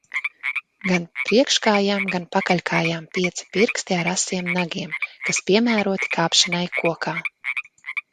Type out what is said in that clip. Gan priekškājām, gan pakaļkājām pieci pirksti ar asiem nagiem, kas piemēroti kāpšanai kokā.